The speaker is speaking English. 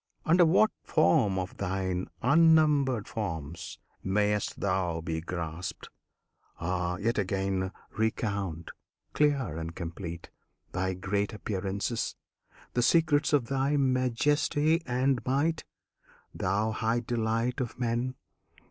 Under what form of Thine unnumbered forms Mayst Thou be grasped? Ah! yet again recount, Clear and complete, Thy great appearances, The secrets of Thy Majesty and Might, Thou High Delight of Men!